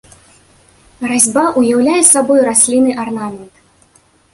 Разьба ўяўляе сабою раслінны арнамент.